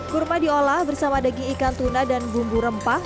kurma diolah bersama daging ikan tuna dan bumbu rempah